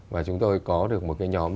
và chúng tôi có được một cái nhóm